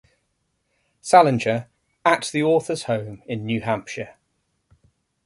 Salinger at the author's home in New Hampshire.